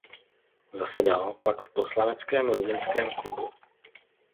Zasedal pak v poslaneckém Rumunském klubu.